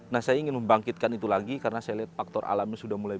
nah saya ingin membangkitkan itu lagi karena saya lihat faktor alamnya sudah mulai